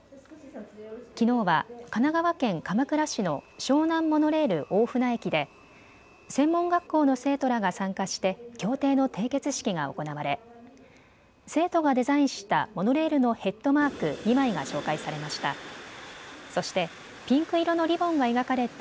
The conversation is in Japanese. きのうは神奈川県鎌倉市の湘南モノレール大船駅で専門学校の生徒らが参加して協定の締結式が行われ生徒がデザインしたモノレールのヘッドマーク２枚が紹介されました。